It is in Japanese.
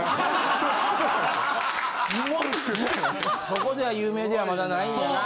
そこでは有名ではまだないんやな。